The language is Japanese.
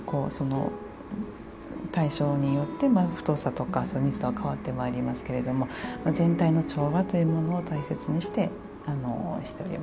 対象によって太さとか密度は変わってまいりますけれども全体の調和というものを大切にしております。